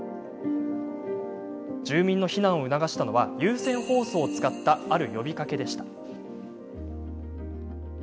住民の避難を促したのは有線放送を使ったある呼びかけでした。